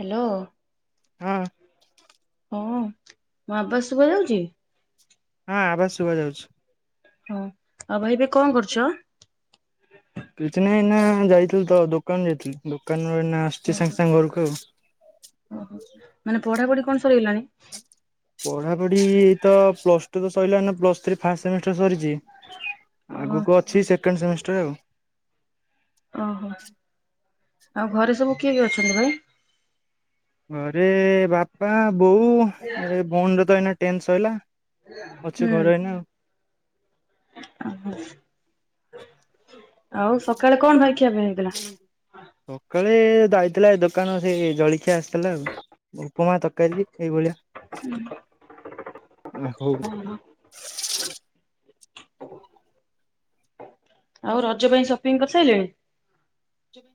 Hello. ହଁ। ହଁ, ମୋ ଆବାଜ ଶୁଭାଯାଉଛି? ହଁ, ଆବାଜ ଶୁଭା ଯାଉଛି। ହଁ, ଆଉ ଭାଇ, ଏବେ କଣ କରୁଛ? କିଛି ନାଇଁ, ଏଇନା ଯାଇଥିଲି ତ, ଦୋକାନ ଯାଇଥିଲି। ଦୋକାନରୁ ଏଇନା ଆସୁଛି, ଓହୋ ସାଙ୍ଗେ ସାଙ୍ଗେ ଘରକୁ ଆଉ ଓହୋ, ମାନେ ପଢାପଢି କଣ ସରିଗଲାଣି? ପଢାପଢି ଏଇ ତ ପ୍ଲସ ଟୁ ତ ସଇଲା ନା ପ୍ଲସ ଥ୍ରୀ ଫାଷ୍ଟ ସେମିଷ୍ଟର ସରିଛି। [inaudible] ଆଗକୁ ଅଛି ସେକେଣ୍ଡ ସେମିଷ୍ଟର ଆଉ ଓହୋ ଆଉ ଘରେ ସବୁ କିଏ କିଏ ଅଛନ୍ତି ଭାଇ? ଘରେ ବାପା ବୋଉ ଏ ଭଉଣୀର ତ ଏଇନା ଟେନ୍ ସଇଲା। ଅଛି ହୁଁ। ଘରେ ଏଇନା ଆଉ। ଓହ ଆଉ ସକାଳେ କଣ ଜଳଖିଆ ପାଇଁ ହେଇଥିଲା? ସକାଳେ ଯାଇଥିଲା ଏ ଦୋକାନ ସେ ଜଳଖିଆ ଆସିଥିଲା ଆଉ ଉପମା ତରକାରୀ ଏଇଭଳିଆ। ହଉ। ହଁ ହଁ। ଆଉ ରଜ ପାଇଁ ସପିଂ କରିସାରିଲେଣି? କେବେ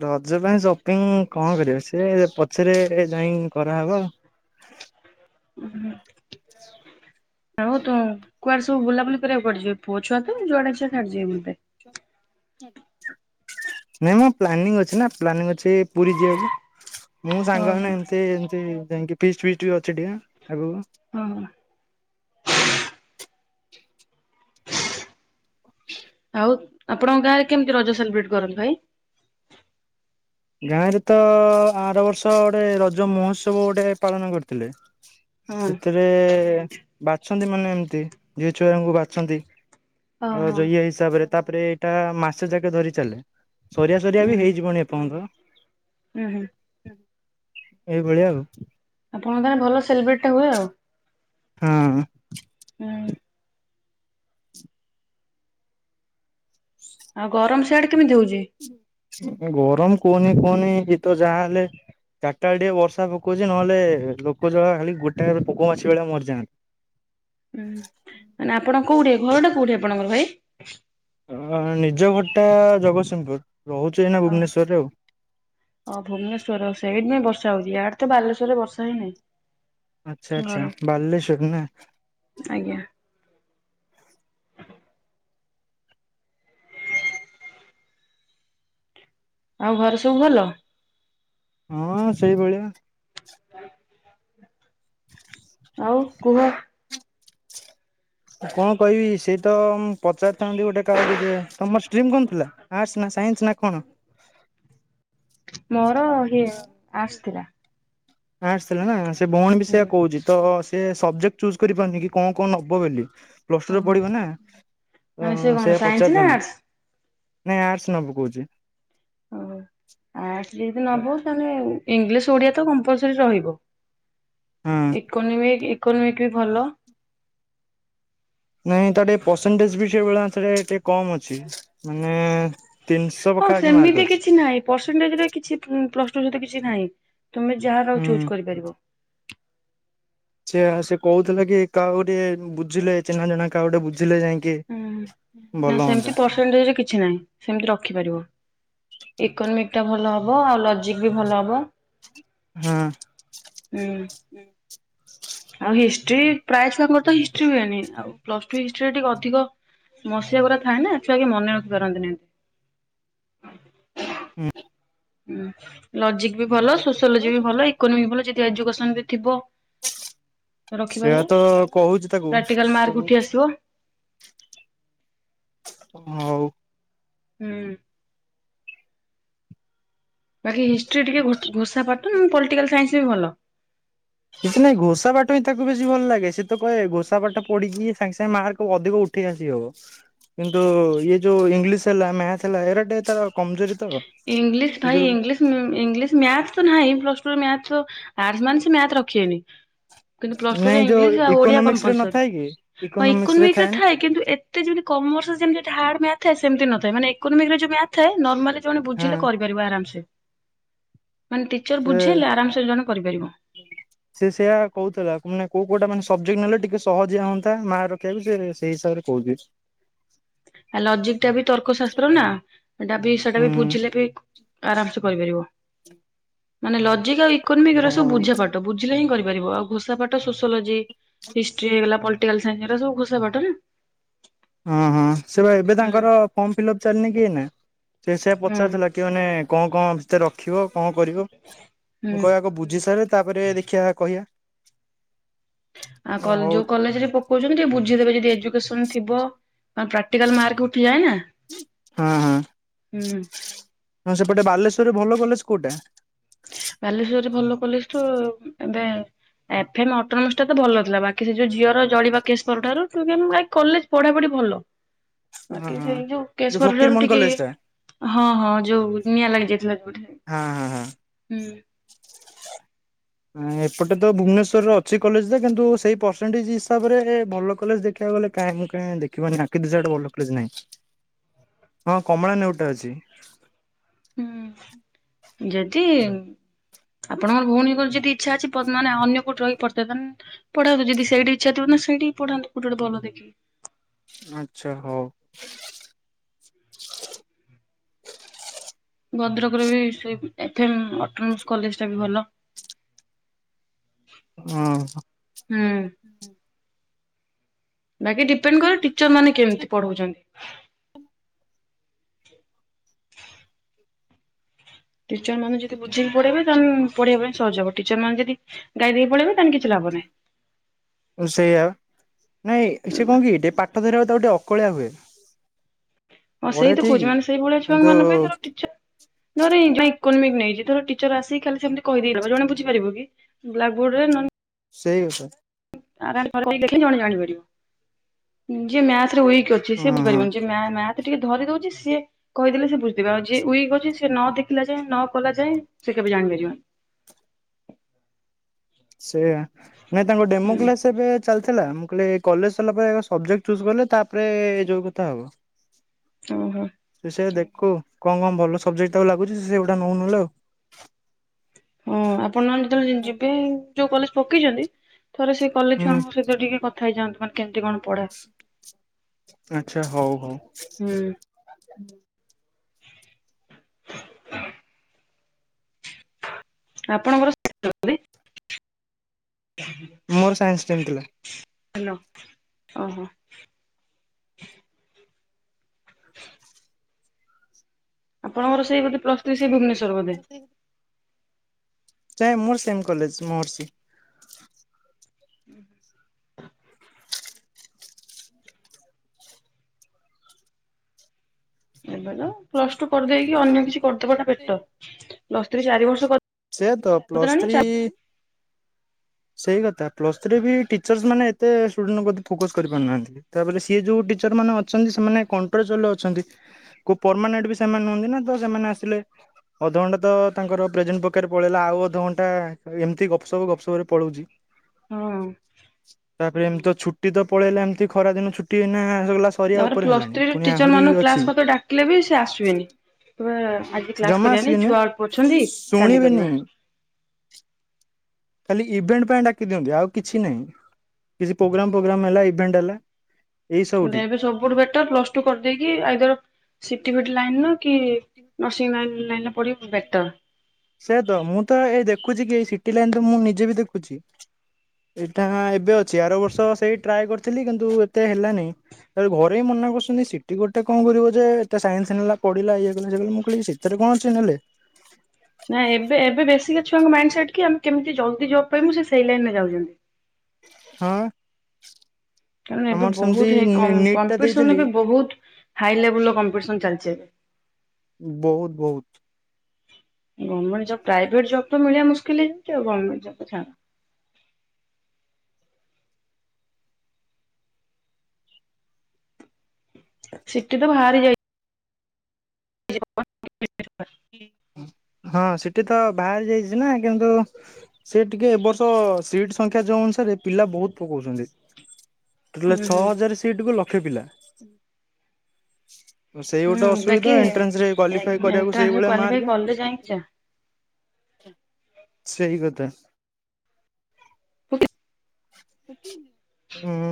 ରଜ ପାଇଁ ସପିଙ୍ଗ କଣ କରିବେ ସିଏ ପଛରେ ଜାଇଁ କରାହବ? ଆଉ ତୁ କୁଆଡେ ସବୁ ବୁଲାବୁଲି କରିବାକୁ ପଡିିଯିବ ପୁଅଛୁଆ ତ ଯୁଆଡେ ଇଛା ସିଆଡେ ଯିବେ ମତେ ନାଇଁମ ପ୍ଲାନିଂ ଅଛି ନା ପ୍ଲାନିଂ ଅଛି ପୁରୀ ଯିବାକୁ। ମୁଁ ହଁ ହଁ ସାଙ୍ଗମାନେ ଏମତି ଏମତି ଯାଇକିି ବିଚ୍ ଫିଚ ବି ଅଛି ଟିକେ ଆଗକୁ। ହଁ। ହଉ। ଆପଣଙ୍କ ଗାଁରେ କେମିତି ରଜ ସେଲିବ୍ରେଟ୍ କରନ୍ତି ଭାଇ? ଗାଁରେ ତ ଆର ବର୍ଷ ଗୋଟେ ରଜ ମହୋତ୍ସବ ଗୋଟେ ପାଳନ କରିଥିଲେ। ହଁ ସେଥିରେ ବାଛନ୍ତି ମାନେ ଏମତି ଝିଅ ଛୁଆଙ୍କୁ ବାଛନ୍ତି। ଓହୋ ଆଉ ଇଏ ହିସାବରେ ତାପରେ ଏଇଟା ମାସେ ଯାକେ ଧରି ଚାଲେ। ସରିିଆ ସରିଆ ହୁଁ ବି ହୁଁ ହେଇଯିବନି ଏପଯ୍ୟନ୍ତ। ହୁଁ ହୁଁ। ଏଇଭଳିଆ ଆଉ ଆପଣଙ୍କ ଭଲ ସେଲିବ୍ରେଟଟା ହୁଏ ଆଉ ହଁ। ହୁଁ। ଆଉ ଗରମ ସିଆଡେ କେମିତି ହଉଛି? ଗରମ କହନି କୁହନି ଇତ ଯାହା ହେଲେ ଚାଟା ବେଳେ ଟିକେ ବର୍ଷା ପକଉଛି, ନହେଲେ ଲୋକ ଯଳା ଖାଲି ଗୋଟା ପୋକ ମାଛି ଭଳିଆ ମରିଯାଆ ହୁଁ, ମାନେ ଆପଣ କୋଉଠି ଘର ଟା କୋଉଠି ଆପଣଙ୍କର ଭାଇ? ଅ, ନିଜ ଘରଟା ଜଗତସିଂହପୁର। ରହୁଛି ଏଇନା ଓହ ଭୁବନେଶ୍ଵରରେ ଆଉ। ଓ ଭୁବନେଶ୍ୱର ର ଓ ସେଇଥିପାଇଁ ବର୍ଷା ହଉଚି, ଇଆଡେ ତ ବାଲେଶ୍ୱରରେ ବର୍ଷା ହେଇନାହିଁ। ଆଚ୍ଛା ଆଚ୍ଛା ବାଲେଶ୍ଵର ନା? ଆଜ୍ଞା। ଆଉ ଘରେ ସବୁ ଭଲ? ହଁ ସେଇଭଳିଆ। [inaudible] [inaudible] ଆଉ କୁହ। କଣ କହିବି ସେଇ ତ ପଚାରିଥାନ୍ତି ଗୋଟେ କାହାକୁ ଯେ ତୋମର ଷ୍ଟ୍ରିମ୍ କଣ ଥିଲା ଆର୍ଟସ ନା ସାଇନ୍ସ ନା କଣ? ମୋର ହିମ୍ ଆର୍ଟସ ଥିଲା। ଆର୍ଟସ ଥିଲା ନା ସେ ଭଉଣୀ ବି ସେଇୟା ହୁଁ କହୁଚି ତ ସେ ସବଜେକ୍ଟ ଚୁସ୍ କରିପାରୁନି କି କଣ କଣ ନବ ବୋଲି। ପ୍ଲସ୍ ଟୁରେ ପଢିବ ନା ତ ମାନେ ସେ କଣ ସେୟଆ ସାଇନ୍ସ ନା ପଚାରିଥାନ୍ ଆର୍ଟସ? ନାଇଁ ଆର୍ଟସ ନବ କହୁଛି। ଓ ଆର୍ଟସ ଯଦି ନବ ତାହେଲେ ଇଂଲିଶ ଓଡିଆ ତ କମ୍ପଲସରୀ ରହିବ। ହଁ ଇକୋନମିକ୍ ଇକୋନୋମିକ୍ ବି ଭଲ। ନାଇଁ ତାର ଟିକେ ପରସେଣ୍ଟେଜ୍ ବି ସେଇଭଳି ସେଟେ ଟିକେ କମ ଅଛି। ମାନେ ତିନିଶହ ପାଖାପାଖି ମାର୍କ ଅଛି। ପରସେଣ୍ଟେଜ୍ ରେ କିଛି ଉଁ, ପ୍ଲସ୍ ଟୁ ସହିତ କିଛି ନାହିଁ ତୁମେ ଯାହାର ଆଉ ହୁଁ। ଚୁଜ୍ କରିପାରିବ। ଛେଆ ସେ କହୁଥିଲା କି କାହାକୁ ଗୋଟେ ବୁଝିଲେ ଚିହ୍ନା ଜଣା କାହାକୁ ଗୋଟେ ବୁଝିଲେ ଯାଇ ଅଁ, ହଁ ନା ସେମତି ପରସେଣ୍ଟେଜ୍ କିଛି ନାହିଁ ସେମତି ରଖିପାରିବ। ଇକୋନୋମିକ୍ ଟା ଭଲ ହବ ଆଉ ଲଜିକ୍ ବି ଭଲ ହବ। ହଁ। ହୁଁ। ହୁଁ। ଆଉ ହିଷ୍ଟ୍ରି ପ୍ରାୟେ ଛୁଆଙ୍କର ତ ହିଷ୍ଟ୍ରି ହୁଏନି, ଆଉ ପ୍ଲସ୍ ଟୁ ହିଷ୍ଟ୍ରିରେ ଟିକେ ଅଧିକ ମସିଆ ଗୁରା ଥାଏ ନା ଛୁଆ କେଇ ମନେ ରଖି ପାରନ୍ତି ନାହିଁ। ହୁଁ। ଉଁ, ଲଜିକ୍ ବି ଭଲ, ସୋସିଓଲୋଜି ବି ଭଲ, ଇକୋନୋମି ଭଲ, ଯଦି ଏଜୁକେସନ୍ ବି ଥିବ ସେଇଆା ରଖିପାରିବ। ତ କହୁଚି ତାକୁ ପ୍ରାକ୍ଟିକାଲ ମାର୍କ ଉଠି [inaudible] ଆସିବ ଆଉ ହୁଁ। ବାକି ହିଷ୍ଟ୍ରି ଟିକେ ଘୋ-ଘୋଷା ପାଠ ନହେଲେ ପଲିଟିକାଲ୍ ସାଇନ୍ସ ବି ଭଲ। କିଛି ନାଇଁ ଘୋଷା ପାଠ ହଁ ତାକୁ ବେଶୀ ଭଲ ଲାଗେ, ସିଏ ତ କହେ ଘୋଷା ପାଠ ପଢିକି ସାଙ୍ଗେ ସାଙ୍ଗେ ମାର୍କ ଅଧିକ ଉ ଠି ଆସିବ, କିନ୍ତୁ ଇଏ ଯୋଉ ଇଂଲିଶ ହେଲା, ମ୍ୟାଥ୍ ହେଲା, ଏଇରା ଟିକେ ତାର କମଜୋରି। ତ ଇଂଲିଶ ସେ ଭାଇ ଯୋଉ ଇଂଲିଶ ହୁଁ, ଇଂଲିଶ ମ୍ୟାଥ୍ ତ ନାହିଁ ପ୍ଲସ୍ ଟୁ ମ୍ୟାଥ୍ ତ ଆର୍ଟସ୍‌ ମାନେ ସେ ମ୍ୟାଥ୍ ରଖିବେନି। କିନ୍ତୁ ପ୍ଲସ୍ ଟୁ ରେ ନାଇଁ ଯୋଉ ଇଂଲିଶ ଆଉ ଓଡିଆ ଇକୋନୋମିକ୍ସ ରେ କମ୍ପଲସରୀ ନଥାଏ କି ହଁ ଇକୋନୋମିକ୍ସ ଇୋନୋମିକ୍ ରେ ନା ଥାଏ କିନ୍ତୁ ଏ ତେ ଯେମିତି କମର୍ସରେ ଯେମିତି ଅଛି ହାର୍ଡ ମ୍ୟାଥ୍ ଥାଏ, ସେମତି ନ ଥାଏ, ମାନେ ଇକୋନୋମିକ୍ ରେ ଯେ ମ୍ୟାଥ୍ ଥାଏ, ନର୍ମାଲି ଯୋଉମାନେ ବୁଝିଲେ ହଁ କରି [unintelligible] କରିବ ଆରାମସେ, ମାନେ ଟିଚର୍ ସେ ବୁଝେଇଲେ ଆରାମ ସେ ଜଣେ କରିପାରିବା। ସେ ସେଇଆ କହୁଥିଲା, ମାନେ କୋଉ କୋଉଟା ମାନେ ସବଜେକ୍ଟ ନେଲେ ଟିକେ ସହଜିଆ ହଅନ୍ତା ମାର୍କ ରଖିବାକୁ ସେ ସେଇ ହିସାବରେ କହୁଚି। ଆ, ଲଜିକ୍ ଟା ବି ତର୍କଶାସ୍ତ୍ର ନା ଏଟା ବି ସେଟା ବି ହୁଁ ବୁଝିଲେ ବି ଆରାମ ସେ କରିପାରିବ ମାନେ ଲଜିକ ଆଉ ଇକୋନୋମିକ ହେରା ଓହୋ ସବୁ ବୁଝା ହଁ ପା ବୁଝିଲେ ହିଁ କରିପାରିବ ଆଉ ଘୋଷା ପାଠ ସୋସଲୋଜି। ହିଷ୍ଟ୍ରି ହେଇଗଲା ପାଲଟିକାଲ ସାଇନ୍ ଏରା ସବୁ ଘୋଷା ପାଠ ନା। ହଁ ହଁ ସେ ଏବେ ହୁଁ ତାଙ୍କର ଫର୍ମ ଫିଲ୍ଅପ ଚାଲିନି କି ଏଇନା ସେ ସେୟା ହୁଁ। ପଚାରଥିଲା କି ମାନେ। କଣ କଣ ଭିତରେ ରଖିବ କଣ କରିବ ମୁଁ ହୁଁ କହେ ଆଗ ବୁଝି ସାରେ। ତାପରେ ଦେଖିବା କହିବା। ଆ କ ହଉ ଯୋଉ କଲେଜ ରେ ପକଉଛନ୍ତି ଟିକେ ବୁଝିଦେବେ ଯଦି ଏଜୁକେସନ ଥିବ ଆଉ ପ୍ରାକ୍ଟିକାଲ ମାର୍କ ଉଠିଯାଏନା ହଁ ହଁ। ହୁଁ। ହଁ ସେପଟେ ବାଲେଶ୍ୱରରେ ଭଲ କଲେଜ କୋଉଟା? ବାଲେଶ୍ୱର ରେ ଭଲ କଲେଜ ଠୁ ଏବେ ଏଫ ଏମ ଅଟୋନୋମସ୍ ଟା ତ ଭଲଥିଲା ବାକି ସେ ଯୋଉ ଝିଅର ଜଳିବା କେସ୍ ପରଠାରୁ [unintelligible] କଲେଜ ପଢା ପଢି ଭଲ। ହଁ ବାକି ହଁ। ସେଇ ଯୋଉ କେଶ ପରଠାରୁ ଫକୀରମୋହନ ଟିକେ କଲେଜ ଟା ହଁ ହଁ ଯୋଉ ନିଆଁ ଲାଗି ଯାଇଥିଲା ଯୋଉଠେ। ହଁ ହଁ ହଁ। ହୁଁ। ଏପଟେ ତ ଭୁବନେଶ୍ୱରରେ ଅଛି କଲେଜ ଯେ କିନ୍ତୁ ସେଇ ପରସେଣ୍ଟେଜ ହିସାବରେ ଭଲ କଲେଜ ଦେଖିବାକୁ ଗଲେ କାହିଁକି ନା ଦେଖିବ [unintelligible] ଭଲ କଲେଜ ନାହିଁ। ହଁ କମଳା ନେଉଟା ଅଛି। ହୁଁ ଯଦି ଆପଣଙ୍କର ଭଉଣୀଙ୍କର ଯଦି ଇଚ୍ଛା ଅଛି ପ ମାନେ ଅନ୍ୟ କୋଉଠି ରହି ପଢୁ ଧାଇତ ନା ପଢାନ୍ତୁ ଯଦି ସେଇଠି ଇଛା ଥିବ ନା ସେଇଠି ପଢାନ୍ତୁ [unintelligible] ଦେଖି। ଆଛା ହଉ। ଭଦ୍ରକରେ ବି ସେ ଏଫ ଏନ୍ ଅଟନମସ୍ କଲେଜ ଟା ବି ଭଲ। ଅଁ ହ। ହୁଁ ବାକି ଡିପେଣ୍ଡ କରେ ଟିଚର ମାନେ କେମିତି ପଢଉଛନ୍ତି। ଟିଚର ମାନେ ଯଦି ବୁଝେଇକି ପଢେଇବେ ତା ପଢେଇବା ପାଇଁ ସହଜ ହବ ଟିଚର ମାନେ ଯଦି ଗାଇ ଦେଇକି ପଳେଇବେ ତାହେଲେ କିଛି ଲାଭ ନାହିଁ। ସେଇଆ ନାଇଁ ସେ କଣ କି ଟିକେ ପାଠ ଧରିବାକୁ ତାକୁ ଟିକେ ଅକଳିଆ ହୁଏ। ହଁ ପଢେ ସେଇ ତ ଠିକ କହୁଛି ମାନେ ସେଇ ଭଳିଆ କିନ୍ତୁ ଛୁଆମାନଙ୍କ ପାଇଁ ଧର ଟିଚର ନ ହେଲେ ଏ [unintelligible] ଇକୋନୋମିକ ନେଇଚି ଧର ଟିଚର ଆସି ଖାଲି ସେମତି କହିଦେଇକି [unintelligible] ଜଉ ମାନେ ବୁଝିପାରିବ କି? ବ୍ଲାକ୍ ବୋଡ଼ ରେ ନହେ ସେଇକଥା। [unintelligible] ଜଣେ ଜାଣିପାରିବ। ଯିଏ ମ୍ୟାଥ ରେ ଉଇକି ଅ ସେ ହଁ ହଁ ବୁଝିପାରିବନି ଯେ ମ୍ୟା ମ୍ୟାଥ ଟିକେ ଧରି ଦଉଛି ସିଏ କହିଦେଲେ ସେ ବୁଝିଦେବେ ଆଉ ଯିଏ ଉଈକି ଅଛି ସେ ନ ଦେଖ ଥିଲା ଯାଏଁ ନ କଲା ଯାଏ ସେ କେବେ ଜାଣିପାରିବନି। ସେଇଆ ନାଇଁ ତାଙ୍କ ଡେମୁ ହୁଁ କ୍ଲାସ ଏବେ ଚାଲିଥିଲା ମୁଁ କହିଲି ଏଇ କଲେଜ ସରିଲା ପରେ ଏରା ସବଜେକ୍ଟ ଚୁଜ କଲେ ତାପରେ ଏ ଯୋଉ କଥା ଆଉ। ଓହୋ ସେ ସୟା ଦେଖୁ କଣ କଣ ଭଲ ସବଜେକ୍ଟ ତାକୁ ଲାଗୁଛି ସେଗୁଡ଼ା ନଉ ନହଲେ ଆଉ। ହଁ ଆପଣ ମାନେ ଯେତେବେଳେ ଯିବେ ଯୋଉ କଲେଜ ପକେଇଛନ୍ତି। ଥରେ ସେଇ କଲେଜ ହୁଁ ଛୁଆଙ୍କ ସହିତ ଟିକେ କଥା ହେଇଯାଆନ୍ତୁ ମାନେ କେମିତି କଣ ପଢା। ଆଚ୍ଛା ହଉ ହଉ। ହୁଁ ଆପଣଙ୍କର [unintelligible] ମୋର ସାଇନ୍ସ ଷ୍ଟ୍ରିମ ଥିଲା। ହାଲୋ ଓହୋ। ଆପଣଙ୍କର ସେଇ ବୋଧେ ପ୍ଲସଥ୍ରୀ ସେଇ ଭୁବନେଶ୍ୱର ବୋଧେ? ସେଇ ମୋର ସେମ୍ କଲେଜ ମହର୍ଷି। [inaudible] ଏବେ ତ ପ୍ଲସ ଟୁ କରିଦେଇକି ଅନ୍ୟ କିଛି କରିଦବା ଟା ବେଟର ପ୍ଲସ ଥ୍ରୀ ଚାରି ବର୍ଷ କ ସେୟାତ ପ୍ଲସ ଥ୍ରୀ ସେଇ କଥା ପ୍ଲସ୍ ଥ୍ରୀ ରେ ବି ଟିଚର୍ସ ମାନ ଏତେ ଷ୍ଟୁଡେଣ୍ଟ ପତି ଫୋକସ୍ କରିପାରୁନାହାନ୍ତି। ତାପରେ ସିଏ ଯୋଉ ଟିଚର ମାନେ ଅଛନ୍ତି ସେମାନେ କଣ୍ଟ୍ରୋଚୁଆଲ୍ ରେ ଅଛନ୍ତି। କୋଉ ପରମାନେଣ୍ଟ୍ ବି ସେମାନେ ନୁହନ୍ତି ନାଁ ତ ସେମାନେ ଆସିଲେ ଅଧଘଣ୍ଟେ ତ ତାଙ୍କର ପ୍ରେଜେଣ୍ଟ୍ ପକାରେ ପଳେଇଲା ଆଉ ଅଧଘଣ୍ଟା ଏମତି ଗପସପ ଗପସପରେ ପଲଉଚି। ହଁ। ତାପରେ ଏମତି ତ ଛୁଟି ତ ପଳେଇଲା ଏମତି ଖରା ଦିନ ଛୁଟି ଏଇନା ସବୁ ଲା ତାପରେ ପ୍ଲସ୍ ଥ୍ରୀ ରେ ଟିଚର୍ ମାନଙ୍କୁ କ୍ଲାସ୍ ମତ ଡାକିଲେ ବି ସିଏ ଆସିବେନି। କହିବେ ଆଜି କ୍ଲାସ୍ ଜମା କରିବାନେଇ ଆସିବେନି ଛୁଆ ଅଳ୍ପ ଅଛନ୍ତି କାଲି ଶୁଣିବେନି କରିବା। ଖାଲି ଇଭେଣ୍ଟ୍ ପାଇଁ ଡାକି ଦିଅନ୍ତି ଆଉ କିଛି ନାହିଁ। କିଛି ପୋଗ୍ରାମ୍ ଫୋଗ୍ରାମ୍ ହେଲା ଇଭେଣ୍ଟ୍ ହେଲା ଏଇ କିନ୍ତୁ ସବୁଠି ଏବେ ସବୁଠୁ ବେଟର୍ ପ୍ଲସ୍ ଟୁ କରିଦେଇକି ଆଇଦର୍ ସିଟି ଫିଟି ଲାଇନ୍ ର କି ନର୍ସିଂ ଲାଇନ୍ ଲାଇନ୍ ର ପଢ଼ିବୁ ବେଟର୍। ସେୟା ତ ମୁଁ ତ ଏ ଦେଖୁଚି କି ଏଇ ସିଟି ଲାଇନ୍ ତ ମୁଁ ନିଜେ ବି ଦେଖୁଚି। ଏଇଟା ହଁ ଏବେ ଅଛି ଆର ବର୍ଷ ସେଇ ଟ୍ରାଏ କରିଥିଲି କିନ୍ତୁ ଏତେ ହେଲାନେଇ। ତାପରେ ଘରେ ହିଁ ମନା କରୁଚନ୍ତି ସିଟି ଗୋଟେ କଁ କରିବ ଯେ ଏତେ ସାଇନ୍ସ୍ ନେଲା ପଢି଼ଲା ଇଏ କଲା ସିଏ କଲା ମୁଁ କଇଲି ସି ଥେରେ କଁ ଅଛି ନେଲେ? ନାଇଁ ଏବେ ଏବେ ବେଶିକା ଛୁଆଙ୍କ ମାଇଣ୍ଡ ସେଟ୍ କି ଆମେ କେମିତି ଜଲ୍ଦି ଜବ୍ ପାଇମୁ। ସିଏ ସେଇ ଲାଇନ୍ ରେ ଯାଉଚନ୍ତି। ହଁ। କାରଣ ଏବେ ଆମର ସେମିତି ବହୁତ ହେ କଁ ନି ନିଟ୍ ଟା କମ୍ପିଟିସନ୍ ଦେଇଥିଲି ଏବେ ବହୁତ ହାଇ ଲେବୁଲ୍ ର କମ୍ପିଟିସନ୍ ଚାଲିଚି ଏବେ। ଉଁ ବହୁତ ବହୁତ। ଗମେଟ୍ ଜବ୍ ପ୍ରାଇଭେଟ ଜବ୍ ତ ମିଳିବା ମୁସ୍କକିଲ୍ ହେଇଯାଉଚି। ଆଉ ଗମେଟ୍ ଜବ୍ ତ ଛାଡ଼। ସିଟି ତ ଭାରି ଯାଇ ଜି ହ ଅ। [inaudible] ହଁ ସେଠି ତ ବାହାରି ଯାଇଚି ନା କିନ୍ତୁ ସେ ଟିକେ ଏବ ବର୍ଷ ସିଟ୍ ସଂଖ୍ୟା ଯୋଉ ଅନୁସାରେ ପିଲା ବହୁତ ପକଉଚନ୍ତି। ଟୋଟାଲେ ହୁଁ ଛଅ ହୁଁ। ହଜାରେ ସିଟ୍ କୁ ଲକ୍ଷେ ପିଲା। ସେଇ ଗୋଟେ ହୁଁ ବାକି ଅସୁବିଧା ଏଣ୍ଟ୍ରାନ୍ସରେ କ୍ୱାଲିଫାଏ କରିବାକୁ ସେଇ ଏଣ୍ଟ୍ରାନ୍ସ ଭଳିଆ କ୍ୱାଲିଫାଇ ମାର୍କେ। କଲେ ଯାଇକି ସେଇ କଥା। ଓକେ ହୁଁ।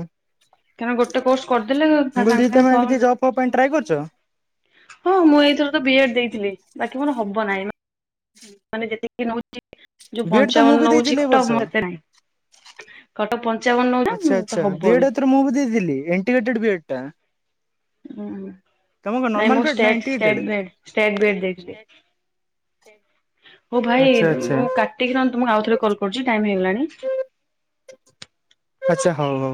କାରଣ ଗୋଟେ କୋର୍ସ କରିଦେଲେ ମୁଁ ଭା କହିଲି ସାଙ୍ଗେ ଦିଦି ସାଙ୍ଗେ ତମେ ଫ କିଛି ଜବ୍ ଫବ୍ ପାଇଁ ଟ୍ରାଏ କରିଛ? ହଁ ମୁଁ ଏଇଥର ତ ବି ଏଡ଼୍ ଦେଇଥିଲି ବାକି ମୋର ହବ ନାହିଁ। ହୁଁ। ମାନେ ଯେତିକି ନଉଚି ଯୋଉ ମୁଁ ପଞ୍ଚାବନ ବି ନଉଚି ଦେଇଥିଲି ଏ କଟ୍ ଅପ୍ ବର୍ଷ ମୋର ଏତେ ନାହିଁ। କଟ ପଞ୍ଚାବନ ନଉଚି ନାଁ ତ ହବନି। ଡ ମୁଁ ବି ଦେଇଥିଲି ଏଣ୍ଟିଗେଟେଡ଼୍ ବି ଏଡ଼୍ ଟା। ଉଁ ହୁଁ ତମ କଣ ନାଇଁ ନର୍ମାଲ ବିଏଡ୍ ନା state state integrated? B Ed state B Ed ମୁଁ ଦେଇଥିଲି ହୋଉ ଭାଇ ଆଚ୍ଛା ଆଚ୍ଛା ମୁଁ କାଟିକି ନନେ ତମୁକୁ ଆଉ ଥରେ କଲ୍ କରୁଚି ଟାଇମ୍ ହେଇଗଲାଣି। ଆଚ୍ଛା ହଉ ହଉ।